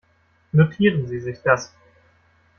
Notieren Sie sich das.